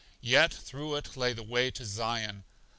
Yet through it lay the way to Zion.